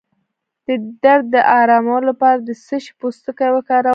د درد د ارامولو لپاره د څه شي پوستکی وکاروم؟